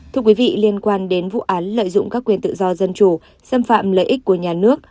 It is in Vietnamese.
thưa quý vị liên quan đến vụ án lợi dụng các quyền tự do dân chủ xâm phạm lợi ích của nhà nước